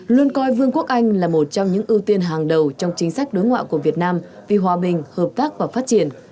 luôn coi vương quốc anh là một trong những ưu tiên hàng đầu trong chính sách đối ngoại của việt nam vì hòa bình hợp tác và phát triển